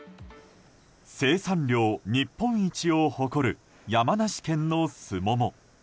生産量日本一を誇る山梨県のスモモ。